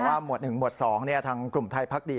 หมวด๑หมวด๒ทางกลุ่มไทยพักดี